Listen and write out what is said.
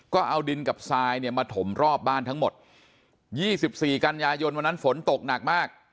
ก็เอาดินกับทรายเนี่ยมาถมรอบบ้านทั้งหมด๒๔กันยายนวันนั้นฝนตกหนักมาก